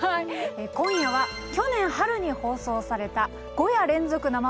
今夜は去年春に放送された「５夜連続生放送春よ、来い！」